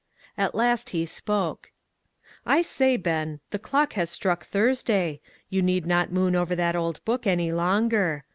At last he spoke : "I say, Ben, the clock has struck Thurs day ; you need not moon over that old book any longer.